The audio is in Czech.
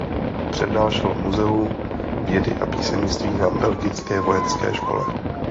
Přednášel v muzeu vědy a písemnictví na Belgické vojenské škole.